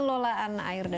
masalah yang terjadi